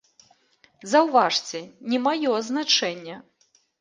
Заўважце, не маё азначэнне!